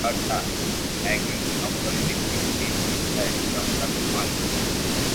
অর্থাৎ একজন সমকামী ব্যক্তি নিজ ইচ্ছায় সমকামী হন না।